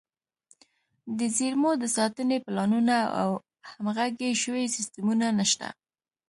د زیرمو د ساتنې پلانونه او همغږي شوي سیستمونه نشته.